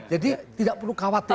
jadi tidak perlu khawatir